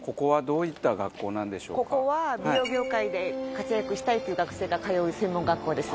ここは美容業界で活躍したいという学生が通う専門学校です。